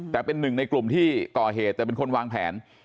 แต่เป็นหนึ่งในกลุ่มที่ก่อเหตุแต่เป็นคนวางแผน